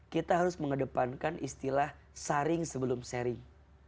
kita harus mengedepankan istilah saring sebelum sharing